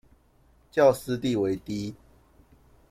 較私地為低